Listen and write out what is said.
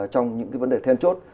trong những cái vấn đề then chốt